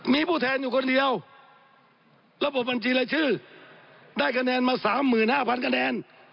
มีผู้แทนอยู่คนเดียวระบบบัญชีรายชื่อได้คะแนนมา๓๕๐๐คะแนน